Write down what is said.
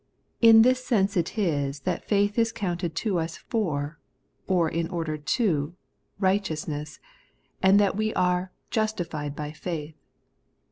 In this sense it is that faith is counted to us for, or in order to, righteousness, — and that we are ' justified by faith.